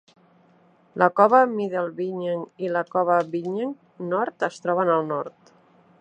La cova Middle Binyang i la cova Binyang nord es troben al nord.